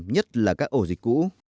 nhất là các ổ dịch cũ